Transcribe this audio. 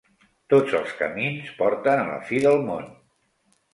Tots els camins porten a la fi del món.